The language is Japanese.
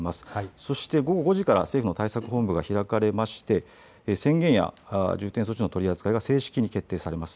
そして午後５時から政府の対策本部が開かれまして、宣言や重点措置の取り扱いが正式に決定されます。